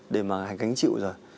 để mà gánh chịu rồi